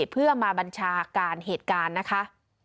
เพื่อมาบัญชาการเหตุการณ์นะคะ